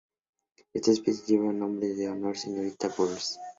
Esta especie lleva el nombre en honor a señorita M. Burrows.